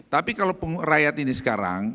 tapi kalau rakyat ini sekarang